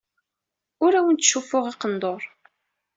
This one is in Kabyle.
Ur awen-ttcuffuɣ aqendur.